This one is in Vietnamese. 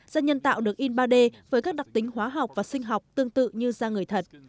da nhân tạo được in ba d với các đặc tính hóa học và sinh học tương tự như da người thật